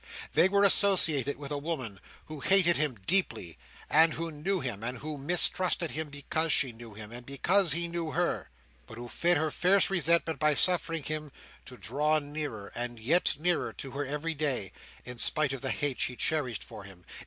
They were associated with a woman who hated him deeply, and who knew him, and who mistrusted him because she knew him, and because he knew her; but who fed her fierce resentment by suffering him to draw nearer and yet nearer to her every day, in spite of the hate she cherished for him.